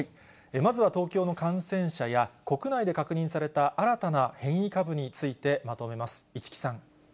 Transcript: まずは東京の感染者や、国内で確認された新たな変異株について、まとめます。